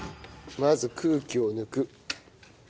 まず空気を抜く。